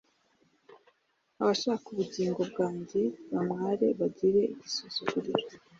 Abashaka ubugingo bwanjye bamware bagire igisuzuguriro